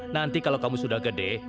nanti kalau kamu sudah gede